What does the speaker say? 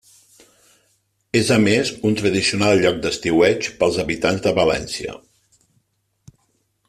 És a més un tradicional lloc d'estiueig per als habitants de València.